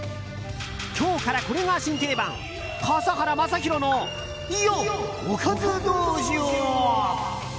今日からこれが新定番笠原将弘のおかず道場。